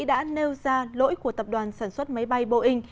đã nêu ra lỗi của tập đoàn sản xuất máy bay boeing